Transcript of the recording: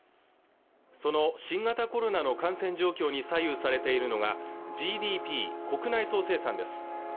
その新型コロナの感染状況に左右されているのがＧＤＰ＝国内総生産です